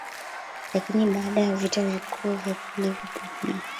Lakini baada ya Vita vikuu vya pili vya dunia